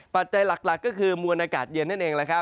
ปัจจัยหลักก็คือมวลอากาศเย็นนั่นเอง